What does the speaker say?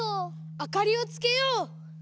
あかりをつけよう。